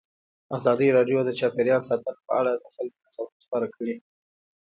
ازادي راډیو د چاپیریال ساتنه په اړه د خلکو نظرونه خپاره کړي.